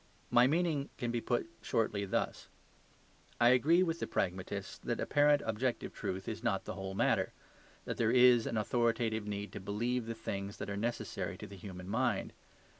My meaning can be put shortly thus. I agree with the pragmatists that apparent objective truth is not the whole matter; that there is an authoritative need to believe the things that are necessary to the human mind.